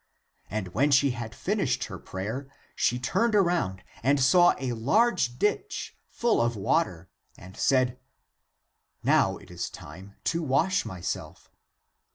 And when she had finished her prayer, she turned around and saw a large ditch full of water, and said, " Now it is time to wash myself."